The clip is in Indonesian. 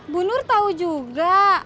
bu nur tahu juga